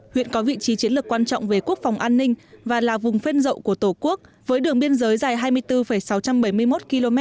huyện có vị trí chiến lược quan trọng về quốc phòng an ninh và là vùng phên rậu của tổ quốc với đường biên giới dài hai mươi bốn sáu trăm bảy mươi một km